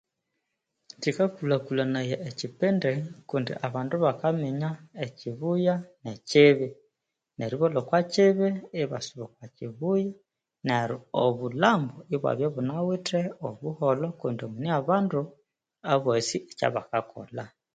Kyikakulhakulhanaya ekyipindi kundi abandu bakaminya ekibuya ne kibi neryo ibalhwa okwa kibi ibasuba okwakibiya neryo obulhambu ibwabya bunawithe obuholho kundi mune abandu abasi ekya bakakolha